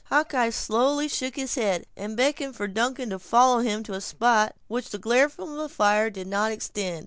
Hawkeye slowly shook his head, and beckoned for Duncan to follow him to a spot to which the glare from the fire did not extend.